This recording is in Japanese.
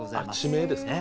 地名ですか。